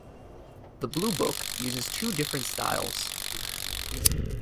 "The Bluebook" uses two different styles.